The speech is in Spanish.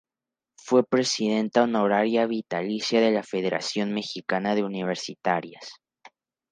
Fue presidenta honoraria vitalicia de la Federación Mexicana de Universitarias.